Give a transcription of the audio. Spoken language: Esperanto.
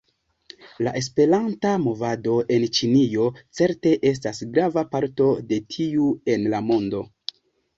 La Esperanta movado en Ĉinio certe estas grava parto de tiu en la mondo.